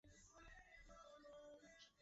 Su hermana mayor era la actriz Jayne Meadows.